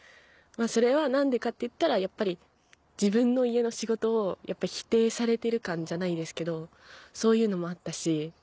それは何でかって言ったらやっぱり自分の家の仕事を否定されてる感じゃないですけどそういうのもあったし。